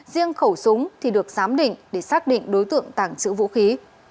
riêng khẩu súng thì được giám định để xác định đối tượng tàng trữ vũ khí